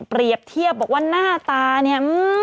เปรียบเทียบบอกว่าหน้าตาเนี่ย